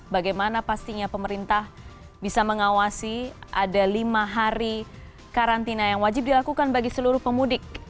bagaimana pastinya pemerintah bisa mengawasi ada lima hari karantina yang wajib dilakukan bagi seluruh pemudik